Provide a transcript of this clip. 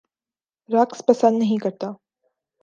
رقص پسند نہیں کرتا